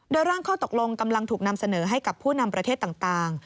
โดยร่างข้อตกลงกำลังถูกนำเสนอให้กับผู้นำประเทศต่าง